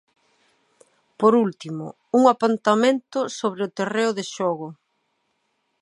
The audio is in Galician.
Por último, un apuntamento sobre o terreo de xogo.